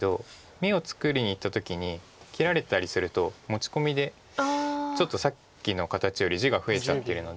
眼を作りにいった時に切られたりすると持ち込みでちょっとさっきの形より地が増えちゃってるので。